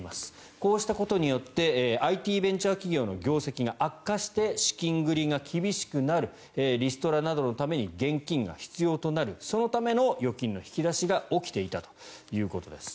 こうしたことによってＩＴベンチャー企業の業績が悪化して資金繰りが厳しくなるリストラなどのために現金が必要となるそのための預金の引き出しが起きていたということです。